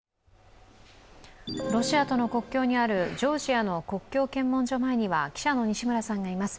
ロシアとの国境にあるジョージアの国境検問所前には記者の西村さんがいます。